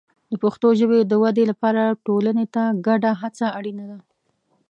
د پښتو ژبې د ودې لپاره ټولنې ته ګډه هڅه اړینه ده.